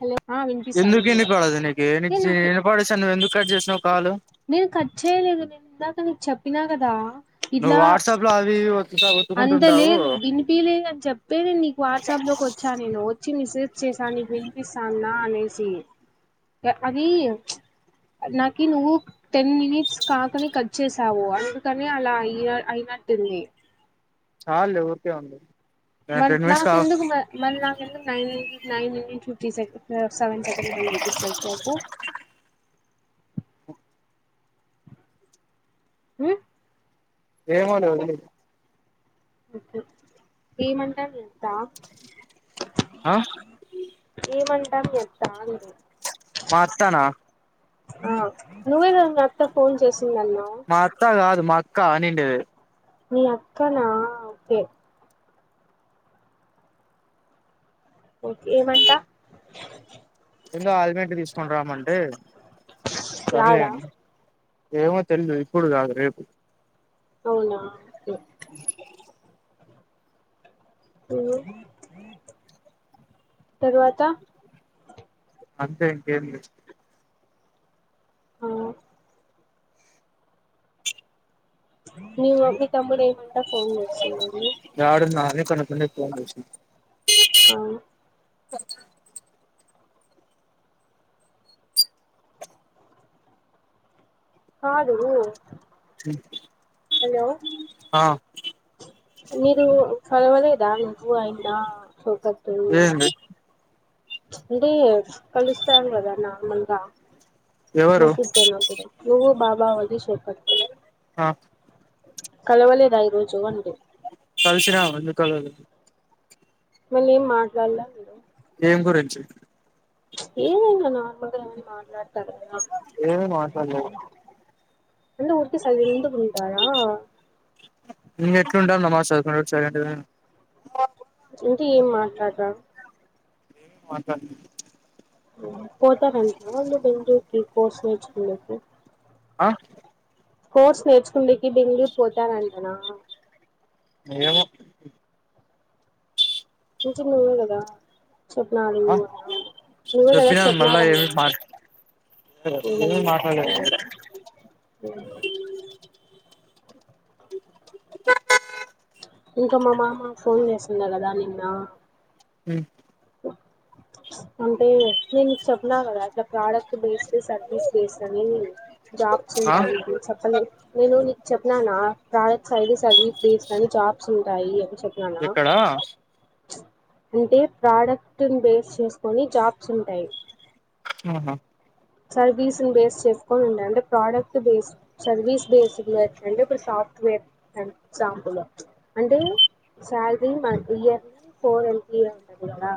Hello ఆ వినిపిస్తాంది ఎందుకు కూడా వినపడదు నీకు ఏ నాకు వినపడి ఇస్తే నువ్వు ఎందుకు కట్ చేసినావు కాలు నేను కట్ చేయలేదు నేను ఇందాక నీకు చెప్పినా కదా నువ్వు ఇట్లా వట్సప్ లో ఒత్తుతా అంత ఒత్తుకుంటుంటావు లేదు వినిపిలేదు అని చెప్పే నేను నీకు వాట్సాప్ లోకి వచ్చాను నేను వచ్చి మీసే చేశా నీకు విన్నీపిస్తాదా అనేసి అది నాకి నువ్వు టెన్ మినిట్స్ కాకనే కట్ చేసావు అందుకనే అలా అ అయి మాతుంది చ లేే ఊకే ఉందు మ నాకు ఎందుకు మ మన నాందుకు చుటి స సెవెన్ సెకండ్స్ అనీ రూపిస్త చెప్పు ఉ ఏమ వదిలేయ్ ఓకే ఏ మంటారు తా ఆ ఈమంటం చెప్తా పస్తానా ఆ నువ్వే క నా అత్త ఫోన్ చేసింది అన్న మా అత్త కాదు మా అక్క అన్నిటెది మీ అక్కా నా ఓకే ఓకే ఏమంటా ఏందో ఆయిల్ ప్యాకెట్ తీసుకని రామంటే యాడా సర్లేడి ఏమో తెలీదు ఇప్పుడు కాదు రేపు అవునా ఓకే మ్మ్ తరువాత అంతే ఇంకేం అ మీ తమ్ముడు ఏమంటా ఫోన్ చేస్తుండగా అకనేకనే ఆ స కాదు హలో ఆ మీరు చలవాలదా నువ్వు అయినా చోకదులు ఏంది అంటే కలుస్తాంకదా నార్మల్ గా ఎవరు మకూద్ పోయినపుడు నువ్వు బాబా వదిషేపట్ ఆ కలవలేదా ఈ రోజు అంటి కలిసినం ఎందుకు కలవలేదు మళ్ళీ ఏం మాట్లాడలే ఏం గుంచి ఏదైనా నార్మల్గావ మాట్లాడతారు ఏమి మాట్లాడలేదు ఎందుకు ఊరికే సైలెంట్ గా ఇ ఎట్లుండమ్మా చదువు సైలెంట్ ఇంకి ఏం మాట్లాడత ఏమ్ మాట్లాడిన పోతరంటన బెంగళూరుకి కోర్స్ నేర్చుకొనేకి ఆ కోర్స్ నేర్చుకునికి బెంగళూరు పోతారంటనా ఏమో ఇంచె నువ్వే కదా చెప్పినరూ ఆ అన్నావ్ నువ్వే కదా చెప్పినాను మళ్ళా ఏమి చెప్పినారన్నవ్ మాట్ ఏమి ఉనండి మాట్లాడ్ మాట్లాడలేదు లేదా నేనా ఇంకా మా మామ ఫోన్ చేసిండ్య కదా నిన్న ఉ అంటే నేన్ నీకు చెప్పిన కదా అట్లా ప్రోడక్ట్ బేస్ టే సర్వీస్ బేస్ అని జాబ్స్ ఆ ఉంటాయి నీక్ చెప్పలే నేను నీకు చెప్పిననా ప్ర సైడ్ సర్వీస్ బేస్ అని జాబ్స్ ఉంటాయి అని చెప్పినానా ఎక్కడా అంటే ప్రాడక్ట్న్ బేస్ చేసుకొని జాబ్స్ ఉంటాయి ఆహా సర్వీస్ బేస్ చెస్కోని ఉండ్యా అంటే ప్రోడక్ట్ బేస్ సర్వీస్ బేసింగ్ ఎట్లా అంటే ఇప్పుడు స వేర్త్ అంటే ఇప్పుడు ఇప్పుడు example salary month yearly four LT [unintelligible] ఉంటాది ఆ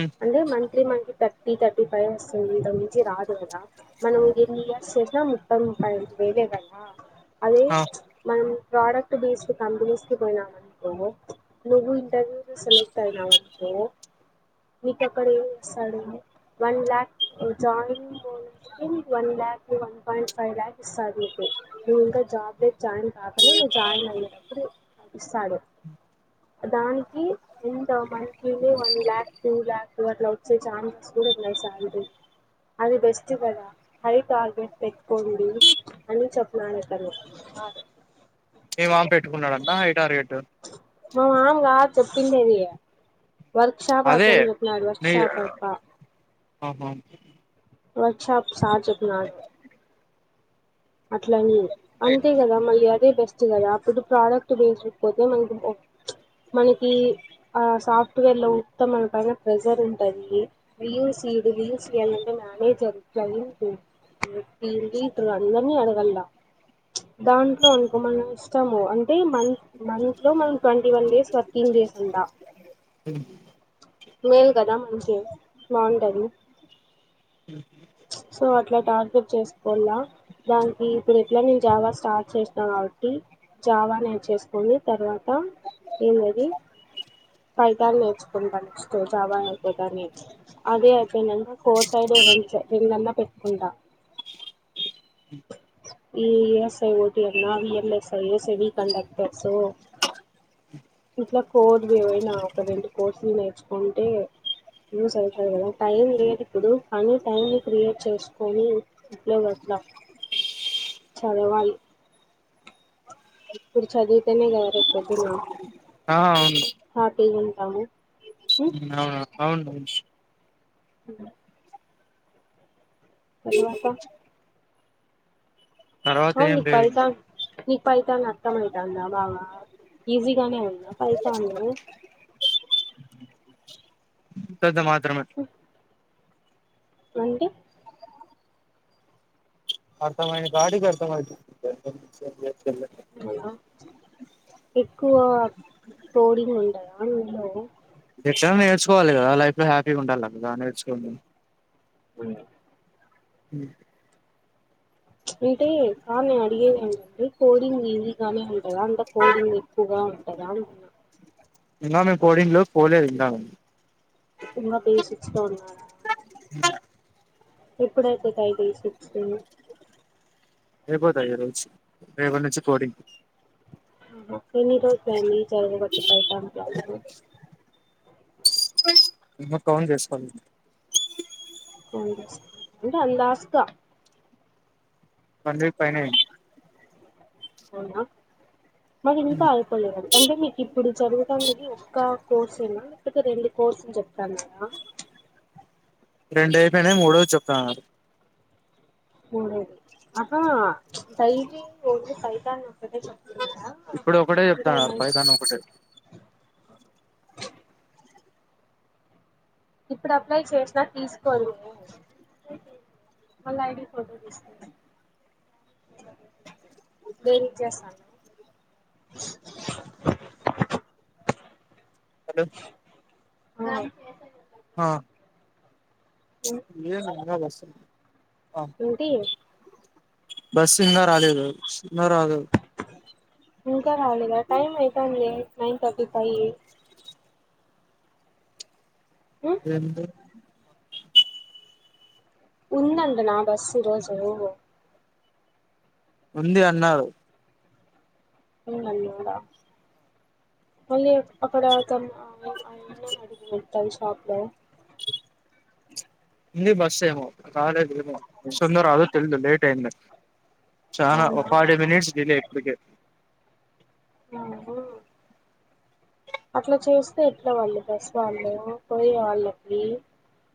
ఉమ్ అంటే మంత్లీ మంత్లీ తట్ టీ థర్టీ ఫైనా వస్తుంది ఇంతకు మించి రాదు కదా మనం ఎన్ని ఇయర్స్ చేసినా మొత్తం ముపై ముపై రెండు వేలే అంతే కదా అదే ఆ మనమ్ ప్రోడక్ట్ బేస్డ్ కంపెనీస్ కి పోయినావ్ అనుకో నువ్వు ఇంటర్వ్యూ సెలెక్ట్ అయినావు అనుకో నీకు అక్కడ ఏం ఇస్తాడు వన్ లక్ కు జాయినింగ్ పోయి నీకు one lakh one point five lakh ఇస్తారు రూపే ఇంకా జాబ్ జాబ్ లోకి జాయిన్ కాగానీ జాయిన్ అయ్యేటప్పుడు ఇస్తాడు దానికి ఎంత మంద్ ఇదే one lakh two lakh two అట్లా వచ్చే ఛాన్సెస్ కూడా ఇన్నాయ్ సాలరీస్ అది బెస్ట్ కదా హై టార్గెట్ పెట్కోండి అని చెప్పునాడతను మీ మామ పెట్టుకున్నాడంటా ఇట మా మామ కాదు చెప్పిండేది వర్క్ షాప్ అదే అతను చొప్నాడు వర్క్ నీ షాప్ అప్ప ఆహా వర్క్ షాప్ సార్ చొప్పినాడు అట్లానే అంతే కదా మళ్లి అదే బెస్ట్ చ్చు కదా అప్పుడు ప్రాడక్ట్ బేస్ పోతే మనకి చ్ మనకి ఆ సాఫ్ట్ వెర్లు మెత్తం మన పైన ప్రెజర్ ఉంటది వ్యూస్ ఇడు వ్యూస్ ఇయాలంటే [unintelligible] చ్ దాంట్లో అనుకో మనం ఇష్టము అంటే మంత్ మంత్ లో మనం ట్వంటీ వన్ డేస్ వర్క్ ఇగ టూ డేస్ అంత స మేలు కదా మంచిగా బాగుంటది అ సో అట్లా టార్గెట్ చేసుకోల్లా దానికి ఇప్పుడు ఎట్లా నేను జావా స్టార్ట్ చేసినా కాబట్టి జావా నేర్చుసుకొని తర్వాత ఎన్ దది ఫైతాన్ నేర్చుకుంటా జావా అయిపోతానే అదే అయిపోయినాకా కోర్ సైడ్ వెంచ్ రెండన్నా పెట్టుకుంట ఇ యస్ ఐ ఓ టీ అవి నావి ల్ I yes yes. Heavy conductors ఇట్లా. ఫోర్త్ పోయిన ఒక రెండు కోర్సులు నేర్చుకుంటే. ఇల్లు సరిపోదు గద టైర్ ఇదిప్పుదు కనీ. టైంని క్రియేట్ చేసుకొని, ఇట్లో గట్ల చదవాలి. ఇప్పుడు చదువుతేనా గదా రేపు పొద్దున్న. ఆ హ్యాపీ గ ఉంటాము. ఉమ్ నా బాగుంటది. అ తర్వాత. తర్వాత అవును ఏం నీకు లేదు పైసా ఇంకా నీ పైసా నష్టమైతందా బావా ఈజీ. ఇట్లనే పైసా నేనే. అంతంతా మాత్రమే. మంటే. అర్థమయిన కాడికి అర్థమైతది. హలో. ఎక్కువ ప్రోడింగ్ ఉంటాయా ఇలో. ఎట్లానా నేర్చుకోలి కదా లైఫ్ లో హ్యాపీగా ఉండాలన్న కదా నేర్చుకోండి. [inaudible] హ అంటే ఆమె అడిగే ఎదంటె కోడింగ్ ఈజీ గానే ఉ. ఎ అంత కోడింగ్ ఎక్కువగా ఉంటదా దాన్. అమే పోడింగ్ లో పోలేదింకా. సినిమా బేసీక్స్ లో ఉన్నదా. ఇప్పుడైతే టైటీ సిక్స్ ఏ. అయిపోతాయి ఈ రోజు, రేపటి నుంచి కోడింగ్. ఎన్ని రోజు అయింది జరగబట్టి పైటం క్లాస్. [unintelligible] అవున్ స్ ఇంకా రాస్తా. అదే పైనే. మరి ఇంకా ఆడుకోలేదుడి అంటే మీకు ఇప్పుడు చదువుటానేది ఒక్క. కోర్సు ఏనా లేకపోతె రెండు కోర్సు చెప్తాఅన్నదా. రెండు అయిపోయినయ్ మూడోది చెప్తా. [unintelligible] చెప్తున్నారా ఇప్పుడు ఒకటే ఇంకా చెప్తా ఏమని చెప్తున్నారు పైతను ఒకటే. ఇప్పుడు అప్లై చేసినా తీసుకోండి. మళ్ళ ఐడి ఫోటో తీసు. డేరింగ్ చేస్తాను. అదే. [inaudible] ఉం, ఏమ్ నమ్మకం వస్త. ఏంటి. బస్ ఇంకా రాలేదు, వొస్తుందో రాదో. ఇంకా రాలేదా, టైమ్ అయితంది, నైన్ తట్టి ఫై. ఏంటి. ఉన్నాంట నా బస్సు ఇ రోజు. ఉంది అన్నారు. ఉందాన్నారా. మళ్ళీ అక్కడ తన్ను ఆ ఆ ఆయనను అడుగు మెడికల్ షాప్ లో ఉంది బస్ ఏమో రాలేదు ఏమో వస్తోందో రాదో తెలిదు లేట్ చాలా అవునా ఒక ఫార్టీ మినిట్స్ డిలే ఇప్పడికే నాగు అట్లా చేస్తే ఎట్లా వాళ్ళు బస్ వాళ్ళు పోయే వాళ్ళకి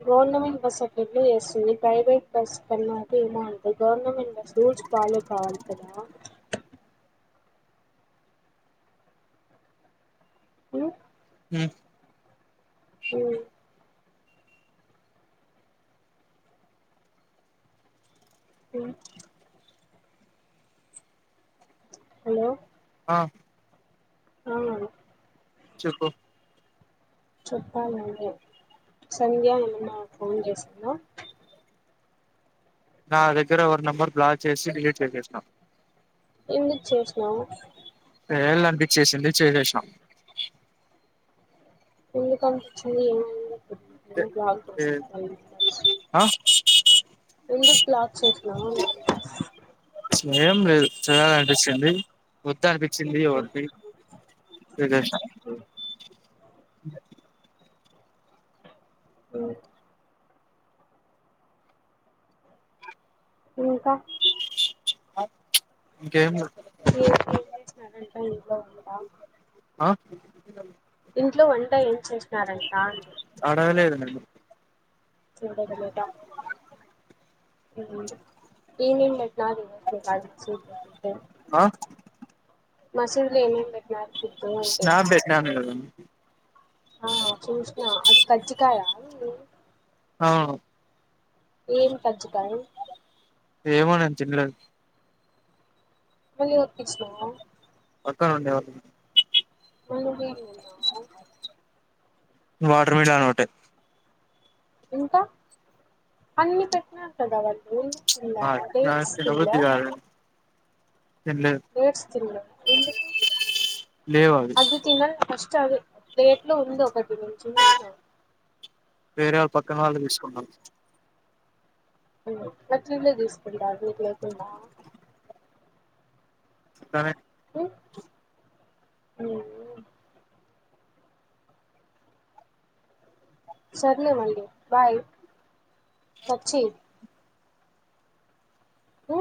గవర్నమెంట్ బస్సు అట్ల ఎట్లా ఎస్తుంది. ప్రైవేట్ బస్సు కన్నా ఏమో అనుకో గవర్నమెంట్ బస్సు రూల్స్ వాళ్ళు కావాలికదా. మ్ హ్మ్ మ్ హ్మ్ హలో ఆ అవునండి. చెప్పు చెప్పాలి మీరే సంధ్య ఏమన్న ఫోన్ చేసిందా? నా దగ్గర ఎవరి నెంబర్ బ్లాక్ చేసి డిలీట్ చేసేసానా. ఎందుకు చేసినవ్ అట్లా చేయాలనిపించేసింది చేశేష్ణ ఎందుకు కనిపించింది ఏమైంది అంతే చెప్పు [unintelligible] బ్లాక్ ఏ చేసా [unintelligible] ఆ ఎందుకు బ్లాక్ చేసినవు అంటన్నా ఏం లేదు చేయాలనిపిచ్చింది. వద్దు అనిపిచ్చింది ఇగో డీట్ ఇగ జేసినా ఉ ఈ అ ఆ ఇంకా ఇంకేం లేవ్ మీరు ఏం చేసినడంట ఇంట్లో వంటా ఆ ఇంట్లో వంట ఏం చేసినారంటా అండి. ఏమో ఏమేమి అన్ నాది కడు స్విటగా పెట్టడం ఆ మసీదు లో ఏమేమి పెట్టినారు. ఫుడ్ అంటే శ్యామ్ బెట్టినాము ఈ రోజు ఆ చూష్ణ అది కజ్జికాయ ఆ ఈ రోజ్ ఆ ఏం కజ్జికాయ ఏమో నేను తినలేదు. మళ్ళీ ఒక్కిచీనవా పక్కనండే ఎవరిది అన్న మళ్ళ బీర్ కొన్నవా? వాటర్ ఓయి తాగవట్టే ఇంకా అన్ని పెట్టినారు కదా వాళ్ళు ము తినాలా నాకు గ్రేప్స్ తినాలా? తినలేద్ ఎందు లేవు అవి అతిథిన దు డేట్ లో ఉంది ఒకటి నుంచి చూసినాం వేరే వాళ్ళు పక్కన వాళ్ళు తీసుకున్నారు. మట్లే తీసుకు వీట్లోకింద సరే. ఓ. సరలే మళ్లే బాయ్ సచ్చి హ